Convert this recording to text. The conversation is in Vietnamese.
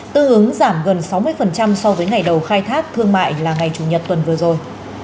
tư hướng giảm gần sáu mươi so với ngày đầu khai thác thương mại là ngày chủ nhật tuần vừa rồi